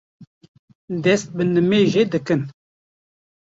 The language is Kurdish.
dest bi nimêjê dikin.